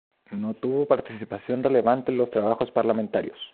No tuvo participación relevante en los trabajos parlamentarios.